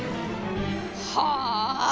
はあ！？